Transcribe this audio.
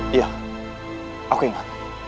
iya aku ingat